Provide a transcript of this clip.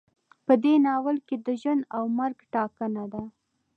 په دې ناول کې د ژوند او مرګ ټاکنه ده.